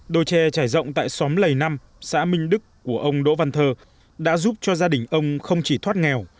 đồi tre trải rộng tại xóm lầy năm xã minh đức của ông đỗ văn thơ đã giúp cho gia đình ông không chỉ thoát nghèo